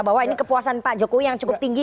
bahwa ini kepuasan pak jokowi yang cukup tinggi